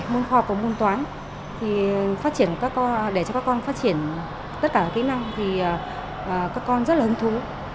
môn kho và môn toán để cho các con phát triển tất cả kỹ năng thì các con rất là hứng thú